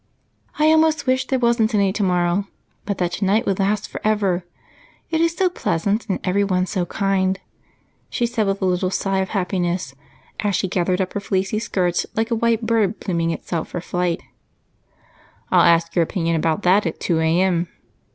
"I almost wish there wasn't any tomorrow, but that tonight would last forever it is so pleasant, and everyone so kind," she said with a little sigh of happiness as she gathered up her fleecy skirts like a white bird pluming itself for flight. "I'll ask your opinion about that at two A.M.